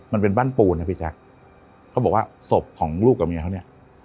มันเป็นบ้านปูนนะพี่แจ๊คเขาบอกว่าศพของลูกกับเมียเขาเนี่ย